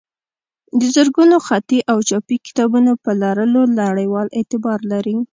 د زرګونو خطي او چاپي کتابونو په لرلو نړیوال اعتبار لري.